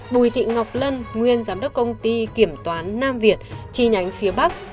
bùi thị ngọc lân nguyên giám đốc công ty kiểm toán nam việt chi nhánh phía bắc